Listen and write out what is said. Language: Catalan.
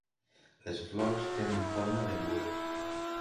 Les flors tenen forma d'embut.